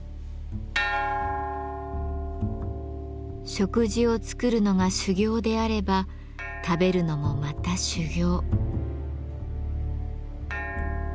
食事を作るのが修行であれば食べるのもまた修行。